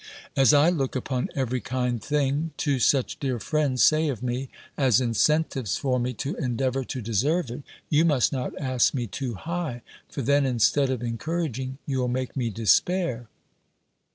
As I look upon every kind thing, two such dear friends say of me, as incentives for me to endeavour to deserve it, you must not ask me too high; for then, instead of encouraging, you'll make me despair."